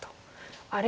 あれ？